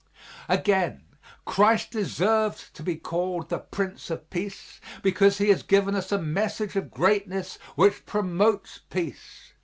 Again, Christ deserves to be called The Prince of Peace because He has given us a measure of greatness which promotes peace.